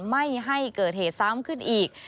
ไม่ให้เกิดเหตุซ้ำขึ้นอีก